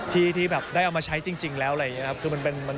ที่แบบได้เอามาใช้จริงแล้วอะไรอย่างนี้ครับ